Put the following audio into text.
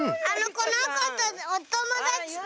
このことおともだちと。